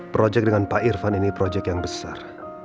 proyek dengan pak irfan ini proyek yang besar